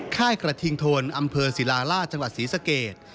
ค่ายกระทิงโทนอำเภอศิลาราชจังหวัดศรีสเกต